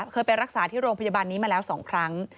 เคยไปรักษาที่โรงพยาบาลนี้มาแล้ว๒ครั้ง